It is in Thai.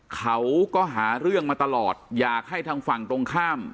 เขาก็หาเรื่องมาตลอดอยากให้ทางฝั่งตรงข้าม